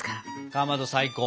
かまど最高！